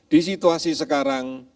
di situasi sekarang